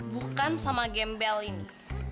bukan sama gembel ini